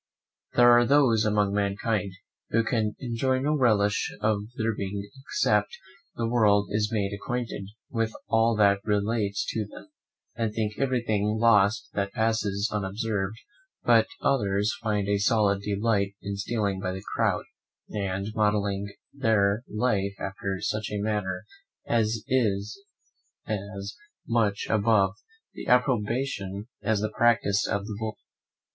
There are those among mankind who can enjoy no relish of their being except the world is made acquainted with all that relates to them, and think everything lost that passes unobserved; but others find a solid delight in stealing by the crowd, and modelling their life after such a manner as is as much above the approbation as the practice of the vulgar.